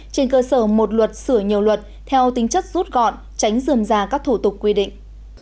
trên cơ sở một luật sửa nhiều luật theo tính chất rút gọn tránh dườm ra các thủ tục quy định